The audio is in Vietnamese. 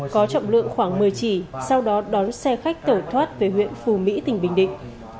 có trọng lượng khoảng một mươi chỉ sau đó đón xe khách tẩu thoát về huyện phù mỹ tỉnh bình định